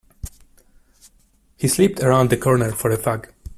He slipped around the corner for a fag.